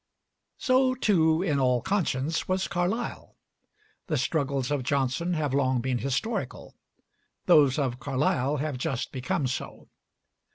So too, in all conscience, was Carlyle. The struggles of Johnson have long been historical; those of Carlyle have just become so.